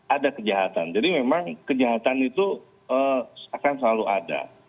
ada kejahatan jadi memang kejahatan itu akan selalu ada